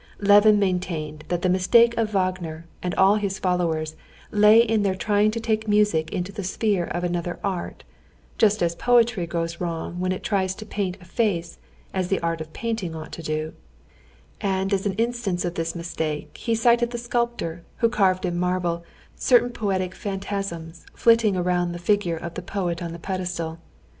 Levin maintained that the mistake of Wagner and all his followers lay in their trying to take music into the sphere of another art, just as poetry goes wrong when it tries to paint a face as the art of painting ought to do, and as an instance of this mistake he cited the sculptor who carved in marble certain poetic phantasms flitting round the figure of the poet on the pedestal.